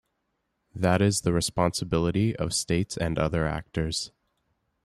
That is the responsibility of States and other actors.